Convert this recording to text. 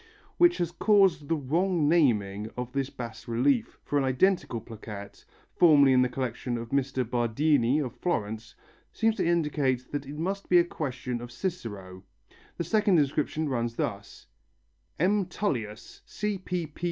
which has caused the wrong naming of this bas relief, for an identical plaquette, formerly in the collection of Mr. Bardini of Florence, seems to indicate that it must be a question of Cicero. The second inscription runs thus, "M. TVLLIVS